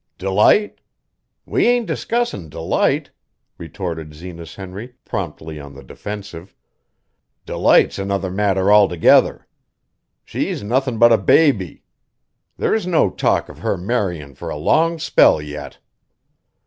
"Delight? We ain't discussin' Delight," retorted Zenas Henry, promptly on the defensive. "Delight's another matter altogether. She's nothin' but a baby. There's no talk of her marryin' for a long spell yet."